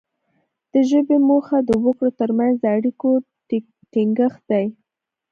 د ژبې موخه د وګړو ترمنځ د اړیکو ټینګښت دی